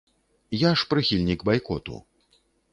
Я ж прыхільнік байкоту.